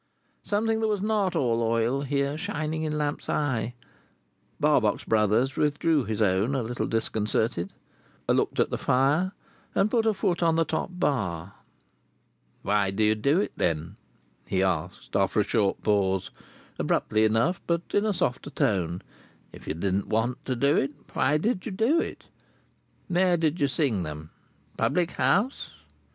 Something that was not all oil here shining in Lamps's eye, Barbox Brothers withdrew his own a little disconcerted, looked at the fire, and put a foot on the top bar. "Why did you do it, then?" he asked, after a short pause; abruptly enough but in a softer tone. "If you didn't want to do it, why did you do it? Where did you sing them? Public house?"